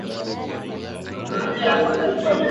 hadi mwaja elfu moja mia tisa sabini